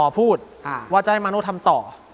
พูดว่าจะให้มาโน่ทำต่อ